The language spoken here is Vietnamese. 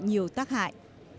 nhiều tác hại